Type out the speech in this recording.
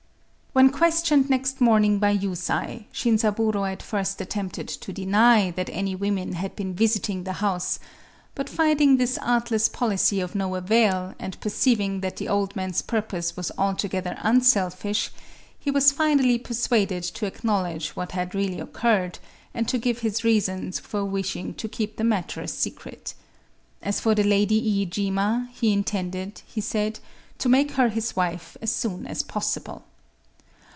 VI When questioned next morning by Yusai, Shinzaburō at first attempted to deny that any women had been visiting the house; but finding this artless policy of no avail, and perceiving that the old man's purpose was altogether unselfish, he was finally persuaded to acknowledge what had really occurred, and to give his reasons for wishing to keep the matter a secret. As for the lady Iijima, he intended, he said, to make her his wife as soon as possible.